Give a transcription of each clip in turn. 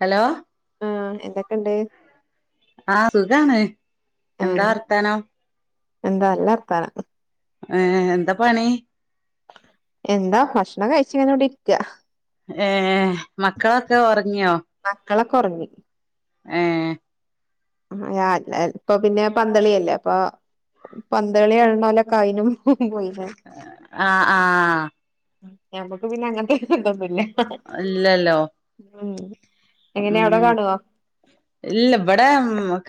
Hello ആഹ് എന്തൊക്കെയ്ണ്ട് ആഹ് സുഖാണ് ആഹ് എന്താ വർത്താനം എന്താ നല്ല വർത്താനം ഏഹ് എന്താ പണി എന്താ ഭക്ഷണം കഴിച്ചിങ്ങന ഇവിട ഇരിക്കാ ഏഹ് മക്കളൊക്കെ ഒറങ്ങിയോ മക്കളക്ക ഒറങ്ങി ഏഹ് ആ ഇപ്പൊ പിന്നെ പന്തളിയല്ലേ അപ്പൊ പന്തളി കാണ്നോലൊക് അയിന് പോയി ആഹ് ആഹ് ഞമ്മക്ക് പിന്നെ അങ്ങനത്തെ ന്തൊന്നുല്ല ഇല്ലല്ലോ ഉം എങ്ങനെ അവിടെ ഉം കാണുവോ ഇല്ല ഇവടെ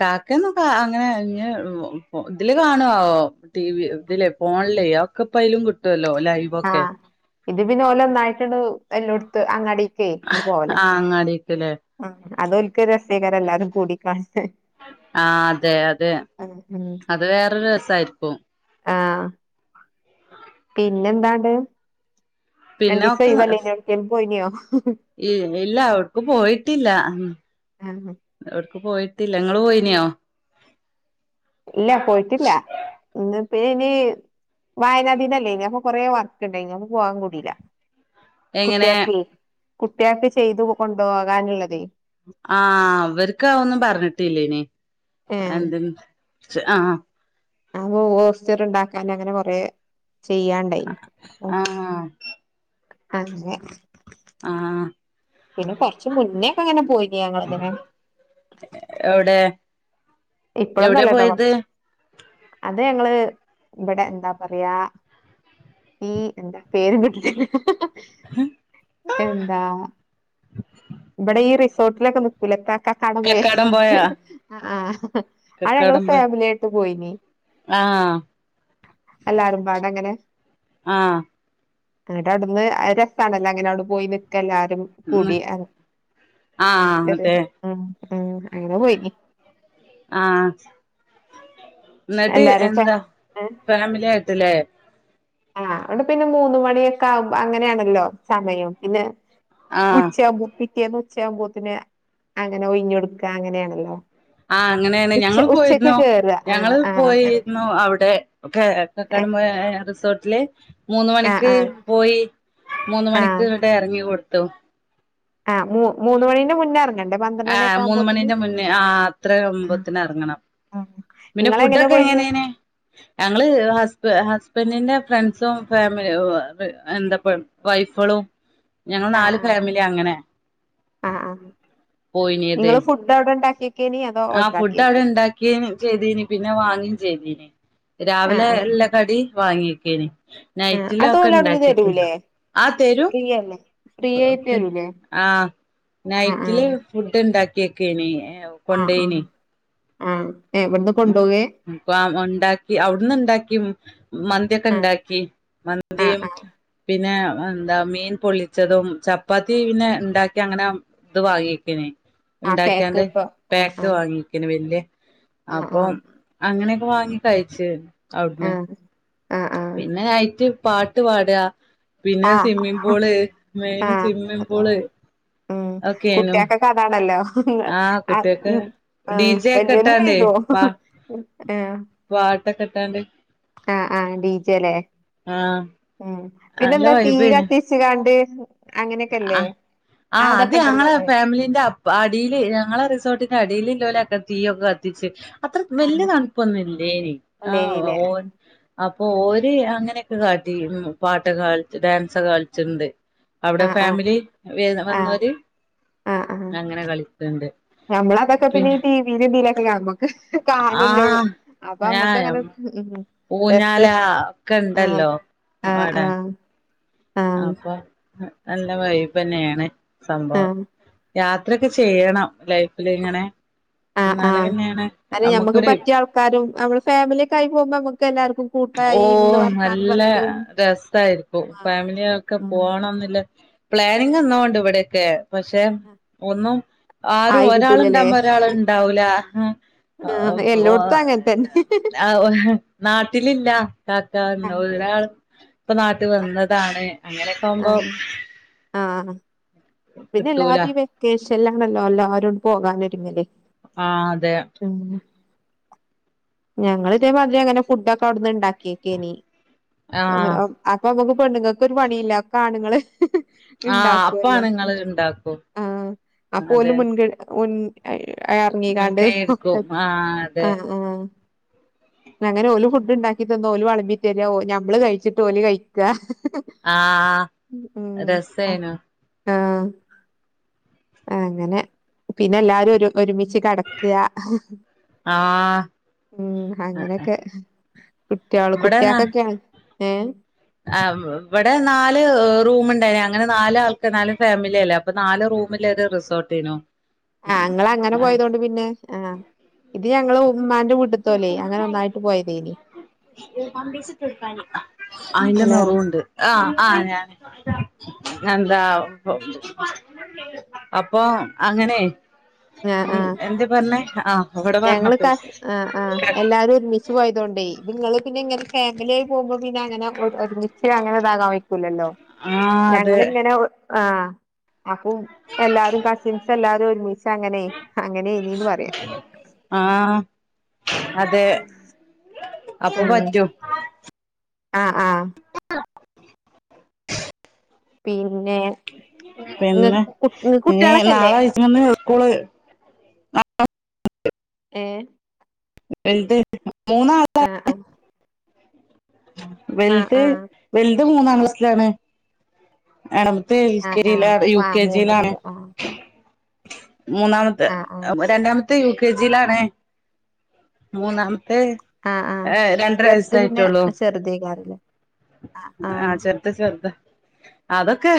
കാക്കയൊന്നും കാ അങ്ങനെ ഞ് ഇതില് ടി വി ഇതിലേ ഫോണിലേക് അതൊക്കപ്പായിലും കിട്ടുല്ലോ ലൈവ് ആഹ് ഇത് പിന്നെ ഓലന്നായിട്ട്ണ്ട് എലോടുത്ത് അങ്ങാടി ആഹ് അങ്ങാടിക്ക്ല്ലേ ആ അതൊൽക്ക് ഒര് രസെകാരം എല്ലാരും കൂടി കാണ്ട് ആ അതെ അതേ ണെ അത് വേറൊരു രസായിരിക്കും. ആഹ് ആ [inaudible] പിന്നെന്താണ്ട് പിന്നെ രണ്ടീസം ഒക്കെ ഒയിവല്ലേനിയോ എടുക്കേലും പോയിനോ ഇല്ല ഓട്ക്കും പോയിട്ടില്ല [inaudible] ഒട്ക്കും പോയിട്ടില്ല ഇങ്ങള് പോയിനോ? ഇല്ല പോയിട്ടില്ല പിന്ന ഇനി വായനാദിനം അല്ലെനിയോ അപ്പൊ കൊറേ വർക്ക്ണ്ടേനി അയിന് പോകാൻ കൂടില്ല. എങ്ങനെ കുട്ടിക്ക് കുട്ട്യേക്ക് ചെയ്ത് കൊണ്ടുപോകാനുള്ളത്. ആഹ് ഇവർക് അതോന്നും പറഞ്ഞിട്ടില്ലെനി ഏഹ് ആഹ് ആഹ് പോസ്റ്റർ ഉണ്ടാക്കാന് അങ്ങനെ കൊറെ ചെയ്യാണ്ടായി അപ്പൊ ആഹ് അങ്ങനെ ആഹ് പിന്നെ കൊർച് മുന്നേഒക്കെങ്ങനെ പോയിനി, ഞങ്ങള്ങ്ങനെ എവിടെ ഇപ്പലൊന്നും എവിടെ അല്ലട്ടോ കൊർ പോയത് അത് ഞങ്ങള് ബടെ എന്താ പറിയാ ഉം എന്താ പേരും കിട്ട്ണി എന്താ ബടെ ഈ റിസോട്ടിലൊക്കെ നിക് ക്കുലെ ത്താ കക്കാടംപൊയെ കക്കാടം പോയാ ആഹ് അത് ഞങ്ങള് കക്കാടം പോയി ഫാമില്യായിട്ട് പോയിനി ആഹ് എല്ലാരുംമ്പാടങ്ങനെ ആഹ് എന്നട്ട് അവ്ടുന്ന് അത് രസാണല്ലോ അങ്ങനെ അവടെ പോയി നിക്കെല്ലാരും ഉം കൂടി അ ആഹ് അതെ അങ്ങനെ പോയി ആഹ് ന്നട്ട് എല്ലാരും ഫാ എന്ത, ഏ ഫാമില്യായിട്ട് ലേ ആഹ് ഇന്നട്ട് പിന്നെ മൂന്ന് മണിയൊക്കാകുമ്പ അങ്ങനേണല്ലോ സമയം പിന്നെ ആഹ് ഉച്ചയാമ്പൂ പിറ്റേന്ന് ഉച്ചയാമ്പൂത്തിന് അങ്ങനെ ഒഴിഞ്ഞൊടുക്ക അങ്ങനേണല്ലോ ആഹ് അങ്ങനേണ്, ഞങ്ങള് പോയിര്ന്നു കേറുക ആ ഞങ്ങള് ആ ഏ പോയിരുന്നു അവ്ടെ ക ഏ കക്കാടം പൊയ റിസോട്ടില് മൂന്ന് ആ മണിക്ക് ആ പോയി മൂന്ന് ആ മണിക്ക്ങ്ങട്ടെർങ്ങി കൊടുത്തു. ആഹ് മൂ മൂന്ന് മണിന്റെ മുന്നെർ ആഹ് മൂന്ന് മണിന്റെ മുന്നേ, ആഹ് അത്രെ അകുമ്പോത്തിനെർങ്ങണം. ആഹ് പിന്നെ ഫുഡ്ഡൊക്കെങ്ങനേനി? ഞങ്ങള് ഹസ്ബ് ഹസ്ബൻഡിന്റെ ഫ്രണ്ട്സും ഫാമി എന്തപ്പം വൈഫളും ഞങ്ങള് ആ നാല് ആ ഫാമിലി അങ്ങനെ പോയിന്യേത് ഫുഡ്ഡൗടെണ്ടാക്കി ആഹ് ഫുഡ്ഡൗണ്ടാക്കിന് ചെയ്തീനി, പിന്നെ വാങ്ങിം ചെയ്തീനി, ആ രാവിലെ ആ എല്ല കടി വാങ്ങിക്കേനി, ആ അത് നൈറ്റിലൊക്കെ ണ്ടാക്കിക്ക്‌ ആഹ് തെരും ഫ്രീയല്ലെ എഹ് ഫ്രീ ആഹ് ആ ആ നൈറ്റില് ഫുഡ്ഡ് ണ്ടാക്യക്കേനി ഏവു ആആ ആഹ് ഏ വട്ന്ന് കൊണ്ടോവേ പ്പാം ഒണ്ടാക്കി ഔട്ന്ന്ണ്ടാക്കിം ആ മന്ത്യെക്കെണ്ടാക്കി ആ മന്തിയും ആ പിന്നെ അന്താ മീൻ പൊള്ളിച്ചതും, ചപ്പാത്തി പിന്നെ ണ്ടാക്ക്യങ്ങനെത് വാങ്ങിക്കേനി ആ പാക്ക് ഇണ്ടാക്ക്യാണ്ട് ഇപ്പൊ ആ പേക്ക് ആ വാങ്ങിക്കേനി വെല്ല്യെ ആ ആ അപ്പോം അങ്ങനൊക്കെവാങ്ങി കയ്ച്ച് ആ ഔട്ന്ന് ആ പിന്നെ നൈറ്റ് പാട്ട് പാടാ പിന്നെ ആ സ്വിമ്മിങ് ആ പൂള്, ആ മെയ്ന് സ്വിമ്മിങ് പൂള് ഉം ഉം ഒക്കെനു കുട്ട്യാക്കൊക്കതാണല്ലോ ആ ഉം ഡി ആഹ് ജെ ഒക്കെ വെല്ല്യോരും ഇട്ടാണ്ടേ നീന്തൂ ഉം ഏ പാട്ടൊക്കട്ടാണ്ട് ആഹ് ആഹ് ഡിജെലേ ആഹ് ഉം നല്ല പിന്നെന്താ തീയ്യ് കത്തിച്ച്ങ്ങാണ്ട് അ ആഹ് അത് ഉണ്ടല്ലോ ഞങ്ങളെ അവിടെ ഫാമിലിന്റപ് അടീല് ഞങ്ങളെ റിസോട്ടിന്റെ അടീല്ല്ലോലൊക്കെ തീയൊക്കെ കത്തിച്ച് അത്ര വെല്ല്യ ആഹ് തണുപ്പൊന്നുംല്ലേനി ആഹ് ഇല്ലേനില്ലേ ഓ അപ്പൊ ഓല് അങ്ങനെക്കെ കാട്ടി പാട്ടൊക്കെകാളിച്ച് ഡാൻസ്ഒക്കെ കളിച്ചിണ്ട് ഔടെ ആഹ് ആഹ് ഫാമിലി വേ ആഹ് വന്നോര് ആഹ് ആഹ് അങ്ങനെ കളിക്ക്‌ണ്ട് പിന്നെ ജീല് ജീലൊക്കെ നമ്മക്ക് കാണന്നുള്ള ആഹ് അപ്പൊമ്മക്ക് ഏഹ് അങ്ങനെ ഉം രസ്സ് ഊഞ്ഞാല ഒക്കെ ആഹ് ഇണ്ടല്ലോ ആഹ് അവടെ ആഹ് ആഹ് അപ്പൊ നല്ല വൈബെന്നെണ് സംഭവം ആഹ് യാത്രോക്കെ ചെയ്യണം ആഹ് ലൈഫ്ല്ങ്ങനെന്നാലേങ്ങനെ നമ്മുക്കൊ ക്കാരും നമ്മള് ഫാമിലൊക്ക ആയി പൊമ്പോ നമക്ക് എല്ലാർക്കും ഓ നല്ല രസാര്ക്കും ആഹ് ഫാമിലിഒക്കെ ഉം പോണംന്നില്ല പ്ലാനിങ് എന്നോണ്ട് ഇവടെക്കെ പക്ഷെ ഒന്നും ആരും ആയി ഒരാള് കിട്ടൂലല്ലേ ണ്ടാമ്പോ ഒരാള്ണ്ടാവൂല ആഹ് എല്ലോട്ത്തും അങ്ങൻ തന്നെ ആഹ് നാട്ടിലില്ല കാക്ക ആഹ് ഒരാൾ പ്പനാട്ട് വന്നതാണ് അങ്ങനൊക്കെ ആവുമ്പോ കിട്ടൂല പിന്നെഎല്ലാരും ഇ വെക്കേഷൽആണല്ലോഅല്ലാരും പോകാൻ ഒര്ങ്ങല് ആതെ പിന്നെ ഞങ്ങള് ഇതേമാതിരി അങ്ങനെ ഫുഡോക്കെ ഔട്ന്ന് ഇണ്ടാക്കിക്കെയ്നി ആഹ് അപ്പൊമ്മക്ക് പെണ്ണുങ്ങക്ക്ഒരു പണില്ല ഒക്കെആണ്ങ്ങള് ആഹ് ഇണ്ടാക്കൊല്ലോ അപ്പാണ് ഇങ്ങള് ഇണ്ടാക്കും ആ അപോലും അതെ മുൻഗഡ് മുൻ എർങ്ങീകാണ്ട് മുൻകൈ ഒക്കെ എടുക്കും ആഹ് അതെ ആഹ് ആഹ് അങ്ങനെ ഓല് ഫുഡ് ണ്ടാക്കി തന്നോഓല് വളമ്പി തെരാഞമ്മള് കഴിച്ച്ട്ട് ഓല്കഴി ക്കാ ആഹ് രസേനു ആഹ് ആഹ് അങ്ങനെ പിന്നെ എല്ലാരും ഒരു ഒരുമിച്ച് കെട ആഹ് ഉം അങ്ങനെയൊക്കെ. കുട്ടികള് ഇവിടെ ന കുട്ടികൾക്കൊക്കെയാണ് ഏഹ്. ആഹ് ഇവടെ നാല് റൂമുണ്ടായിന് അങ്ങനെ നാല് ആൾക്ക് നാല് ഫാമിലിയല്ലേ അപ്പൊ നാല് റൂമില്ലൊരു റിസോർട്ടേന്നു. ആഹ് ഇങ്ങളങ്ങനെ പോയതോണ്ട് പിന്നെ ആഹ് ഇത് ഞങ്ങള് ഉമ്മാന്റെ വീട്ട്ത്തോല്ലേ അങ്ങനെ ഒന്നായിട്ട് പോയതേനി പാമ്പേഴ്സ് ഇട്ടൊടുക്കാന് അയിന്റെ ഹലോ നറൂണ്ട് ആഹ് ആഹ് ഞാന് എന്താ പോ അപ്പൊ അങ്ങനെ ആഹ് എന്ന് എന്തേ പറഞ്ഞെ ആഹ് ഇവടെ പറഞ്ഞ ക്കാസ് ആഹ് ആഹ് എല്ലാരും ഒരുമി ച്ച് പോയതൊണ്ടേ നിങ്ങള് പിന്നെ ഇങ്ങനെ ഫാമിലിയായി പോകുമ്പോ പിന്നെ അങ്ങനെ ഒരു ഒരുമിച്ച് അങ്ങനെതാകാൻ വയ്ക്കൂല്ലല്ലോ ആഹ് അതെ ഞങ്ങളിങ്ങനെ ആഹ് അപ്പോ എല്ലാരും കസിൻസ് എല്ലാരും ഒരുമിച്ചങ്ങനെ അങ്ങനെയ്ന്നീന്ന് പറയാ ആഹ് അതെ അപ്പൊ ഉം പറ്റും. ആഹ് ആഹ് പിന്നെ ഇങ്ങ പിന്നെ ഇങ്ങക്ക് ഇനി കുട്ടികളൊക്കെല്ലേ നാളെ അഴിച്ച്മ്മന്ന് സ്കൂൾ ഏഹ് വലുത് മൂന്നാള് ആഹ് ആഹ് ആഹ് വെൽത് ആഹ് വെൽത് മൂന്നാം ക്ലാസിലാണ്. നട്ത്തെ എൽ കെ ആഹ് ആഹ് ജിലാണ് യു വാ കെ ജിലാണ് മൂന്നിലില് ആഹ് മൂന്നാമത്തെ ആഹ് ആഹ് രണ്ടാമ ത്തെ യു കെ ജിലാണ് മൂന്നാമത്തെ ആഹ് ആഹ് ഏഹ് രണ്ടര ചെറുത് പിന്നെ വയസായിട്ടൊള്ളൂ ചെറുതേക്കാരല്ലേ ആഹ് ചെർ പറ്റെ ചെറുതാ അതൊക്കെ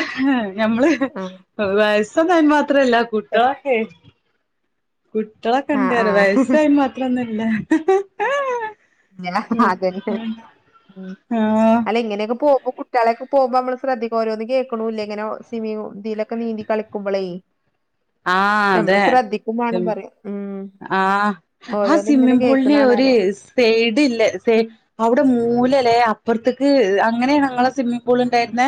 ഞമ്മള് ആഹ് വയ സ്സൊന്നും അയിന് മാത്രല്ല കുട്ടളൊക്കെ ആഹ് കുട്ടളൊകെണ്ട്റയാ ആഹ് വയസ്സയിന് മാ തൊന്നല്ല ആഹ് അല്ല ഇങ്ങനെയൊക്കെ പോകുന്നു സ്ഥലെക്കെ പോകുമ്പോ നമ്മള് ശ്രെദ്ധിക്കും ഓരോന്നു കേൾക്കൂന്നില്ലേ ഇങ്ങന സ്വി ഇതിലക്കെ നീന്തി കളിക്കുമ്പോളേ ആഹ് നമ്മള് ശ്രദ്ധിക്കുമ്പേണം പറയാ ഉം ആ ആ ഓരോന്ന് ഇങ്ങനെ സ്വിമ്മിംഗ് പൂളിലെ കേൾക്കണാണ് ഒരു അറിയാ സൈഡ് ഇല്ലേ സൈ അവിടെ മൂല ല്ലേ അപ്പറത്തേക്ക് അങ്ങനെയ ഞങ്ങളെ സ്വിമ്മിഗ് പൂൾ ഉണ്ടായിരുന്നേ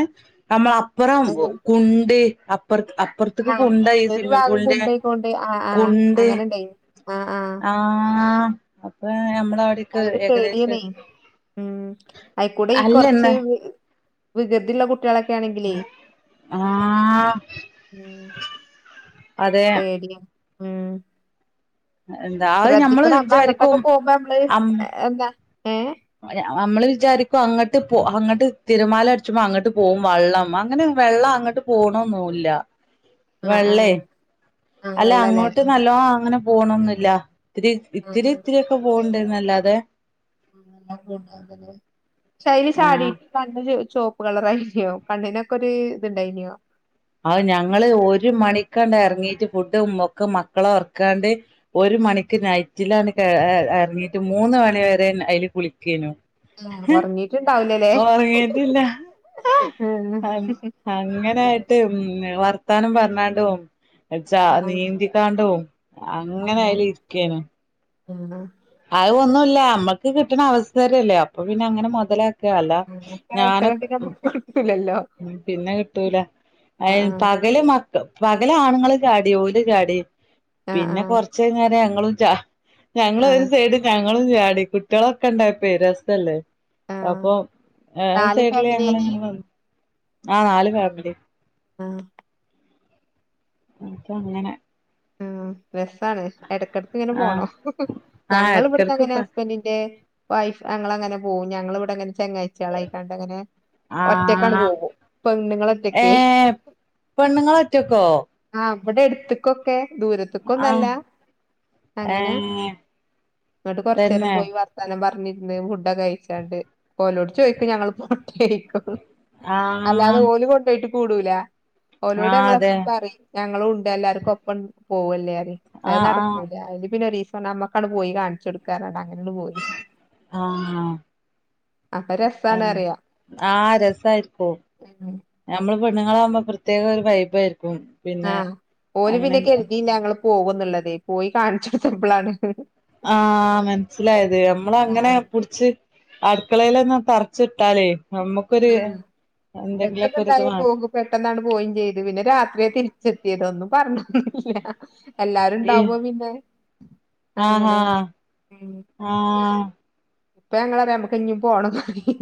നമ്മള അപ്പുറം കുണ്ട് അപ്പുറ അപ്പുറത്തേക്ക് കുണ്ടായി സ്വിമ്മിംഗ് പൂളിന്റെ ണ്ട് ആഹ് ആഹ് കുണ്ട് അങ്ങനെ ഉണ്ടായിനി ആഹ് ആഹ് ആഹ് അപ്പൊ നമ്മളവി അതൊക്കെ പേടിയണേ ഉം അയിക്കൂടെ ഈ കൊറച്ച് അല്ലന്ന് വികൃതിള്ള കുട്ടികളൊക്കെ ആണെങ്കിലേ ആഹ് ഉം അതെ പേടിയാ ഉം എന്താ അത് ഞമ്മള് ശ്രദ്ധിക്കണം നമ്മ അങ്ങോട്ടൊക്കെ വിചാരിക്കും പോകുമ്പോമ്മള് അമ്മ എന്താ ഏ നമ്മള് വിചാരിക്കും അങ്ങട്ട് പോ അങ്ങോട്ട് തിരമാല അടിച്ച്പോ അങ്ങോട്ട് പോകും വള്ളം അങ്ങനെ വെള്ളം അങ്ങട്ട് പോണോന്നുല്ല ആ ആ വെള്ളേ ആ അല്ല വെള്ളല്ലേ അങ്ങോട്ട് ആ ആ നല്ലോ അങ്ങനെ പോണൊന്നില്ല ഇത്തിരി ഇത്തിരി ആ. ഇത്തിരിയൊക്കെ പോണ് ണ്ടന്നല്ലാതെ പക്ഷെ അയിൽ ആഹ് ചാടിട്ട് കണ്ണ് നല്ലൊരു ചുവപ്പ് കളറ ആയില്ലോ കണ്ണിനൊക്കെ ഒര് ഇതിണ്ടായിനോ ഔ ഞങ്ങള് ഒരു മണിക്കാണ്ട് എർങ്ങീട്ട് ഫുഡും ഒക്കെ മക്കളെ ഒർക്കാണ്ട് ഒരു മണിക്ക് നൈറ്റിലാണ് എർങ്ങീട്ട് മൂന്ന് മണി വരെ അയ്ൽ കുളിക്കേനു ആഹ് ഹ് ഒർങ്ങീറ്റ്ണ്ടാവൂലലേ ഒറങ്ങീട്ടില്ല അങ്ങനായിട്ട് ഉം വർത്താനം പറഞ്ഞാണ്ടും ച ആ ആ നീന്തിക്കാണ്ടും അങ്ങനയ്ല് ഇര്ക്കേനു എന്ന് അഹ് ഒന്നുല്ല മ്മക്ക് കിട്ടണ അവസരല്ലേ അപ്പ പിന്നങ്ങനെ മൊതല അല്ല അങ്ങനത്തെ അവസരം ഞാനൊക്കെ പിന്നെ നമുക്ക് കിട്ടൂലല്ലോ പിന്നെ കിട്ടൂല ആ അഹ് ആ പകല് മക്കൾ പകല് ആണുങ്ങൾ ചാടി ഓല് ചാടി ആ ആ പിന്നെ കൊർചയ്ഞാരെ ഞങ്ങളും ചാ ഞങ്ങൾ ആ ഞങ്ങളും ചാടി കുട്ട്യളൊക്കെ ണ്ടായപ്പെ രസല്ലേ ആ അപ്പം ആ നാല് സൈഡില് ഞങ്ങള് ഫാമിലിനി ങ്ങനെ ആ നാല് ഫാമിലി ആഹ് അപ്പ ങ്ങനെ ആഹ് രസാണ് എട്ക്കട്ക്ക് ങ്ങനെ ആഹ് പോണം ആഹ് ഞങ്ങൾ എടക്കെടക്ക് വട്ന്നങ്ങനെ ഇപ്പ ഹസ്ബൻഡിന്റെ വൈഫ് ഞങ്ങളങ്ങനെ പോവും ഞങ്ങളിവ്ടെങ്ങനെ ചങ്ങായ് മക്കളായിക്കാണ്ടങ്ങനെ ഒറ്റക്കാണ്ട് ആഹ് പോവും പെണ്ണുങ്ങളൊറ്റക്കെ പെണ്ണുങ്ങളൊറ്റക്കോ ആഹ് ഇവടെട്ത്ത്ക്കൊക്കെ ആഹ് ദൂരത്ത്ക്കൊന്നല്ല അങ്ങനെ ഏഹ് ഇങ്ങട്ട് കൊർച്ചേരം തന്നെ പോയി വർ ത്താനം പർഞ്ഞിര്ന്ന് ഫുഡൊക്കെ കഴിച്ചാണ്ട് ഓലോട് ചോയ്ക്കും ഞങ്ങള് പോട്ടേയ്ക്കും അല്ലാതെ ആഹ് ഓല് കൊണ്ടോയിട്ട് കൂടൂല ഓലോട് ആഹ് അതെ ഞങ്ങളെപ്പളും പറയും ഞങ്ങളുണ്ട് എല്ലാർക്കും ഒപ്പം പോവല്ലേ പറയും അത് ആഹ് ആഹ് നടക്കൂല അയ്ല് പിന്നൊരീസം എന്നാ ഞമ്മക്കാണ്ട് പോയി കാണ്ച്ചൊട്ക്കാ പർഞാണ്ട് അങ്ങനാണ്ട് പോയി ആഹ് അപ്പൊ രസാണ് അതന്നെ അറിയ ആഹ് രസായിര്ക്കും ഉം ഞമ്മള് പെണ്ണുങ്ങളാവുമ്പോ പ്രത്യേക ഒരു വൈബായിര്ക്കും ആഹ് ഓല് പിന്നെ കര്തീല്ല ഞങ്ങള് പോകുന്ന്ള്ളതേ പോയി കാൺച്ചൊട്ത്തപ്പളാണ് ആഹ് മനസ്സിലായത് നമ്മളങ്ങനെ ആഹ് പുട് ച്ച് അട്ക്കളേലെന്നെ തർച്ചിട്ടാലേ ഞമ്മക്ക് ആഹ് [unintelligible] എന്തെങ്കിലൊക്കൊര്ത് പെട്ടെന്നുണ്ടായ വാണം പോകും പെട്ടെന്നാണ്ട് പോയും ചെയ്ത് പിന്നെ രാത്രിയാ തിരിച്ചെത്തിയത് ഒന്നും പറഞ്ഞിട്ടൊന്നുല്ല്യാ ഈ എല്ലാരുണ്ടാവുമ്പോ പിന്നെ ആഹാ അങ്ങനെ ഉം ആഹ് ഇപ്പം ഞങ്ങളറയും ഞമ്മക്കിഞ്ഞും പോണന്ന് പറയും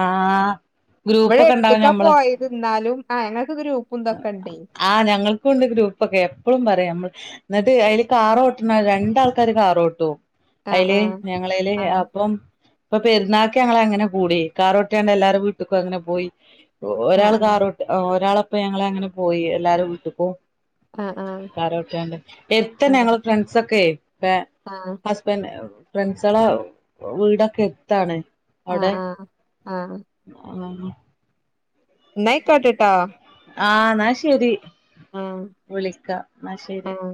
ആഹ് ഗ്രൂപ്പൊക്കെ ഉണ്ടാവും ഇവടെട്ത്ത്ക്കാ ഞമ്മള് പോയത് ന്നാലും ആഹ് ഞങ്ങക്ക് ഗ്രൂപ്പും തൊക്കെണ്ടേ ആഹ് ഞങ്ങൾക്കുണ്ട് ഗ്രൂപ്പൊക്കെ എപ്പളും പറയും ഞമ്മൾ എന്നിട്ട് അയ്ല് കാറോട്ട്ണെ രണ്ടാൾക്കാര് കാറോട്ടും ആ ആ അയ്ല് ഞങ്ങളേല് ആ അപ്പം ഇപ്പൊ പെര്ന്നാക്ക് ഞങ്ങളങ്ങനെ കൂടി കാറോട്ട്യാണ്ട് എല്ലാരെ വീട്ട്ക്കും അങ്ങനെ പോയി ആ ഒരാൾ കാറോ ഒരാളപ്പൊ ഞങ്ങളങ്ങനെ പോയി എല്ലാരെ വീട്ട്ക്കും ആ ആ കാറോട്ട്യാണ്ട് എര്ത്തെന്നെ ഞങ്ങള് ഫ്രണ്ട്സൊക്കെ താ ആഹ് ഹസ്ബന്റ് ഫ്രണ്ട്സളെ വീടൊക്കെ എര്ത്താണ് ആഹ് ആഹ് ആഹ് അതാണ് ന്നായ്കോട്ടെട്ടോ ആഹ് എന്നാ ശരി വിളിക്കാ ന്നാ ശരി ആ